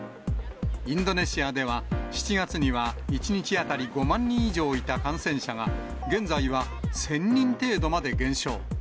インドネシアでは、７月には１日当たり５万人以上いた感染者が、現在は１０００人程度まで減少。